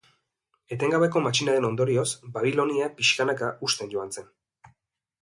Etengabeko matxinaden ondorioz, Babilonia, pixkanaka, husten joan zen.